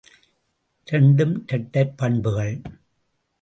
இரண்டும் இரட்டைப் பண்புகள்!